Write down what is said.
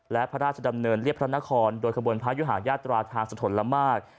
และพระราชดำเนินเรียบพระนครโดยขบวนพระยุหาญาตราทางสะทนละมาก